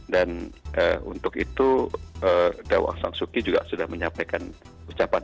dan untuk itu dawang sangsuki juga sudah menyampaikan ucapan